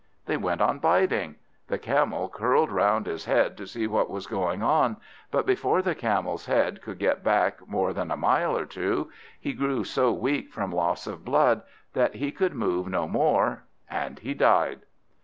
They went on biting. The Camel curled round his head to see what was going on; but before the Camel's head could get back more than a mile or two, he grew so weak from loss of blood, that he could move no more, and he died.